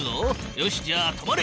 よしじゃあ止まれ！